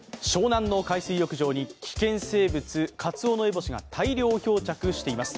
湘南の海水浴場に危険生物、カツオノエボシが大量漂着しています。